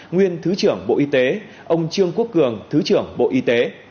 nguyên thứ trưởng bộ y tế ông trương quốc cường thứ trưởng bộ y tế